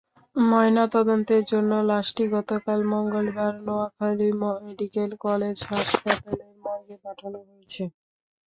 ময়নাতদন্তের জন্য লাশটি গতকাল মঙ্গলবার নোয়াখালী মেডিকেল কলেজ হাসপাতালের মর্গে পাঠানো হয়েছে।